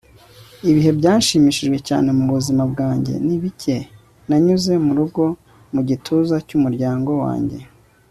ibihe byanshimishije cyane mu buzima bwanjye ni bike nanyuze mu rugo mu gituza cy'umuryango wanjye